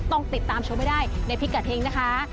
ต้องติดตามชมให้ได้ในพิกัดเฮงนะคะ